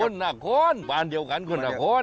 คนนัคอนบ้านเดียวกันคุณนัคอน